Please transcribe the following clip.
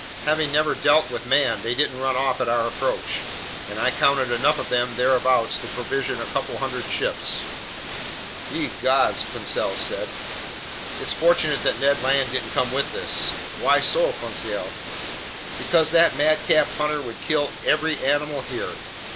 Having never dealt with man, they didn't run off at our approach, and I counted enough of them thereabouts to provision a couple hundred ships. "Ye gods," Conseil said, "it's fortunate that Ned Land didn't come with us!" "Why so, Conseil?" "Because that madcap hunter would kill every animal here."